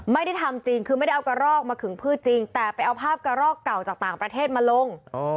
ไม่ได้ทำจริงคือไม่ได้เอากระรอกมาขึงพืชจริงแต่ไปเอาภาพกระรอกเก่าจากต่างประเทศมาลง